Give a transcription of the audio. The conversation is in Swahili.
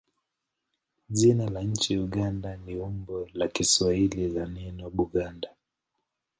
Jina la nchi Uganda ni umbo la Kiswahili la neno Buganda.